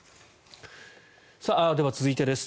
では、続いてです。